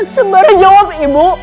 sembara jawab ibu